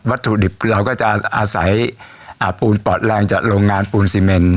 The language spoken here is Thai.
ถุดิบเราก็จะอาศัยปูนปอดแรงจากโรงงานปูนซีเมน